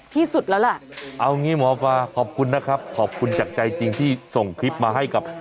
ที่สุดแล้วล่ะเอางี้หมอปลาขอบคุณนะครับขอบคุณจากใจจริงที่ส่งคลิปมาให้กับ